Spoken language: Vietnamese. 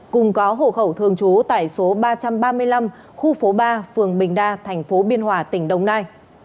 cùng có hộ khẩu thường trú tại số ba trăm ba mươi năm khu phố ba phường bình đa tp biên hòa tỉnh đông nai